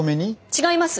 違います。